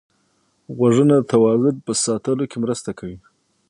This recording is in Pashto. غوږونه د توازن په ساتلو کې مرسته کوي